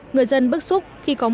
người dân bức xúc